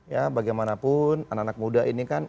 ya bagaimanapun anak anak muda ini kan